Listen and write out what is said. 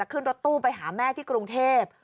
ขึ้นรถตู้ไปหาแม่ที่กรุงเทพ